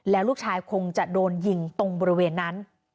แล้วลูกชายคงจะโดนยิงตรงบริเวณนั้น